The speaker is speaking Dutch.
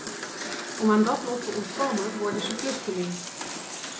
Om aan dat lot te ontkomen worden ze vluchteling.